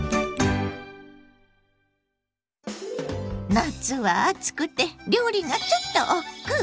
夏は暑くて料理がちょっとおっくう。